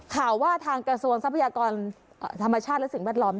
ข่าวว่าทางกระทรวงทรัพยากรธรรมชาติและสิ่งแวดล้อม